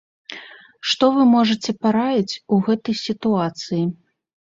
Што вы можаце параіць у гэтай сітуацыі?